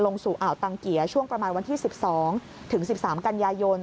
สู่อ่าวตังเกียร์ช่วงประมาณวันที่๑๒ถึง๑๓กันยายน